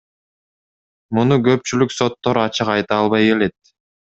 Муну көпчүлүк соттор ачык айта албай келет.